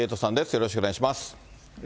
よろしくお願いします。